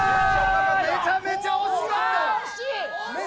めちゃめちゃ惜しかった！